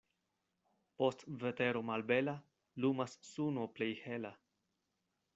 Post vetero malbela lumas suno plej hela.